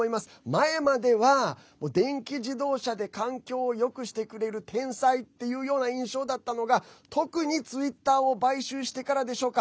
前までは、電気自動車で環境をよくしてくれる天才っていうような印象だったのが特にツイッターを買収してからでしょうか。